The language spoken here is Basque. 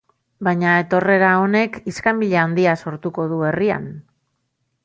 Baina etorrera honek iskanbila handia sortuko du herrian.